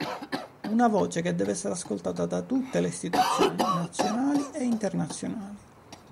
Una voce che deve essere ascoltata da tutte le istituzioni nazionali e internazionali.